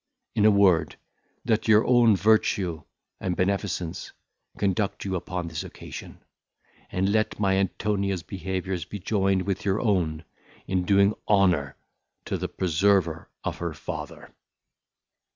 In a word, let your own virtue and beneficence conduct you upon this occasion, and let my Antonia's endeavours be joined with your own in doing honour to the preserver of her father!